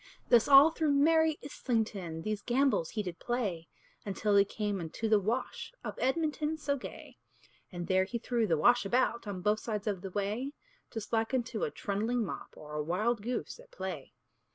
Thus all through merry Islington These gambols he did play, Until he came unto the Wash Of Edmonton so gay; And there he threw the Wash about On both sides of the way, Just like unto a trundling mop, Or a wild goose at play.